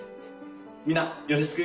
みんなよろしく！